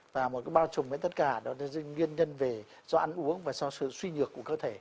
và một cái bao trùm với tất cả đó là do nghiên nhân về do ăn uống và do sự suy nhược của cơ thể